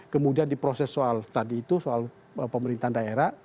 kemudian diproses soal tadi itu soal pemerintahan daerah